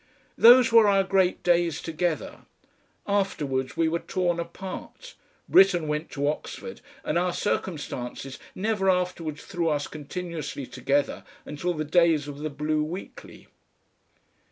Those were our great days together. Afterwards we were torn apart; Britten went to Oxford, and our circumstances never afterwards threw us continuously together until the days of the BLUE WEEKLY.